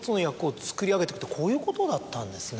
こういうことだったんですね。